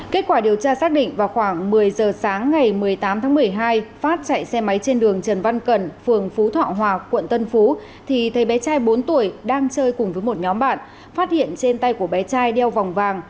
kết quả điều tra xác định vào khoảng một mươi giờ sáng ngày một mươi tám tháng một mươi hai phát chạy xe máy trên đường trần văn cẩn phường phú thọ hòa quận tân phú thì thấy bé trai bốn tuổi đang chơi cùng với một nhóm bạn phát hiện trên tay của bé trai đeo vòng vàng